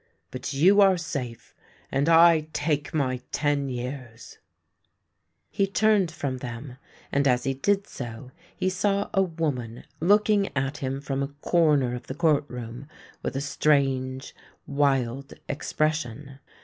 But you are safe, and I take my ten years !" He turned from them, and, as he did so, he saw a woman looking at him from a corner of the court room, with a strange, wild expression.